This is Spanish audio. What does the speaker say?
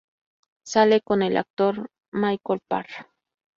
Sale con el actor Michael Parr.